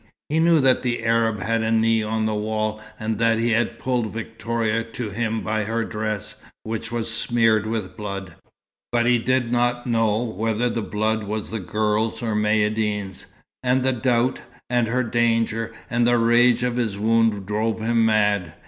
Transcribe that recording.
He knew that the Arab had a knee on the wall, and that he had pulled Victoria to him by her dress, which was smeared with blood. But he did not know whether the blood was the girl's or Maïeddine's, and the doubt, and her danger, and the rage of his wound drove him mad.